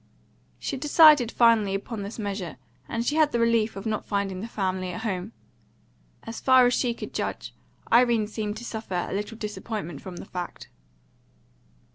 She decided finally upon this measure, and she had the relief of not finding the family at home. As far as she could judge, Irene seemed to suffer a little disappointment from the fact.